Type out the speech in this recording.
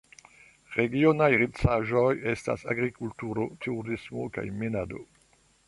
Regionaj riĉaĵoj estas agrikulturo, turismo kaj minado.